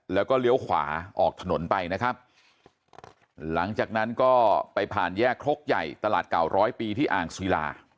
แล้วก็เลี้ยวขวาออกถนนไปนะครับหลังจากนั้นก็ไปผ่านแยกครกใหญ่ตลาดเก่าร้อยปีที่อ่างศิลา